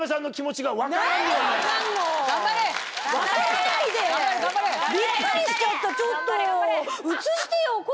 ちょっと！